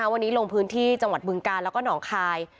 วันนี้ลงพื้นที่จังหวัดบึงกาลแล้วก็หนองคาย